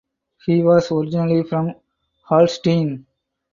He was originally from Holstein.